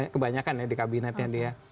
kebanyakan ya di kabinetnya dia